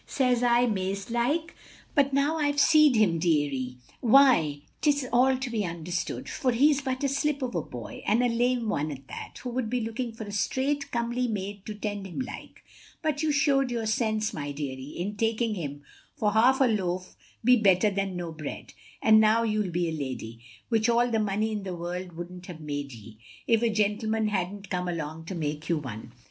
says I, mazed like. But now I 've seed him, deary, why 't is all to be understood; for he 's but a sUp of a boy, and a lame one at that, who would be looking for a straight, comely maid to tend him like; but you shewed your sense, my deary, in taking him, for half a loaf be better than no bread; and now you '11 be a lady, which all the money in the world would n't have made ye, if a gentleman had n't comd along to make you one.